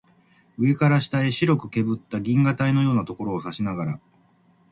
上から下へ白くけぶった銀河帯のようなところを指さしながら